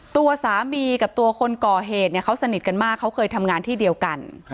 ตัวสามีกับตัวคนก่อเหตุเนี่ยเขาสนิทกันมากเขาเคยทำงานที่เดียวกัน